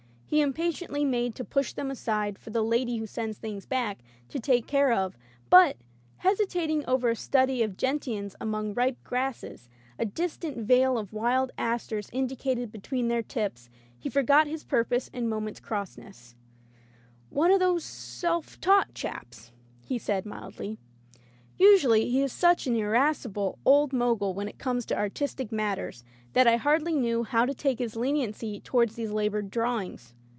He impatiently made to push them aside for the [ 232 ] Digitized by LjOOQ IC E. Holbrookes Patience lady who sends things back to take care of, but, hesitating over a study of gentians among ripe grasses, a distant veil of wild asters indicated between their tips, he forgot his purpose and moment's crossness. "One of those self taught chaps," he said mildly. Usually he is such an irascible old Mogul when it comes to artistic matters that I hardly knew how to take his leniency tow ard these labored drawings.